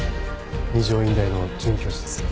二条院大の准教授です。